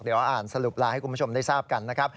เดี๋ยวอ่านสรุปลาให้คุณผู้ชมได้ทราบกันนะครับ